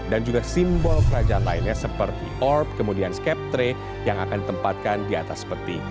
dan juga simbol kerajaan lainnya seperti orb kemudian skep tray yang akan ditempatkan di atas peti